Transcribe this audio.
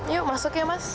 yuk masuk ya mas